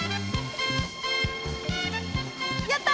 やった！